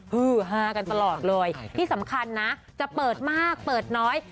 ฮือฮากันตลอดเลยที่สำคัญนะจะเปิดมากเปิดน้อย